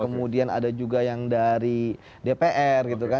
kemudian ada juga yang dari dpr gitu kan